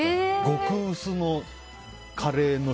極薄のカレー。